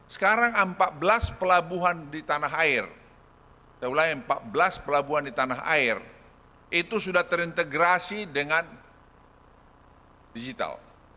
sekarang empat belas pelabuhan di tanah air saya ulangi empat belas pelabuhan di tanah air itu sudah terintegrasi dengan digital